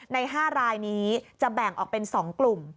ใน๕รายนี้จะแบ่งออกเป็น๒กลุ่ม